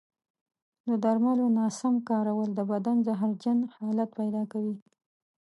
د درملو ناسم کارول د بدن زهرجن حالت پیدا کوي.